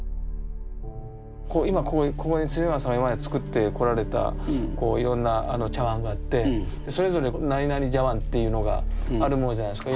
今ここに村さん今まで作ってこられたこういろんな茶碗があってそれぞれ何々茶碗っていうのがあるものじゃないすか。